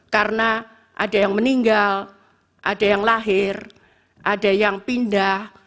karena ada yang meninggal ada yang lahir ada yang pindah